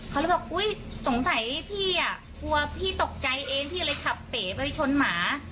เขาเลยบอกอุ๊ยสงสัยพี่อ่ะกลัวพี่ตกใจเองพี่เลยขับเป๋ไปชนหมา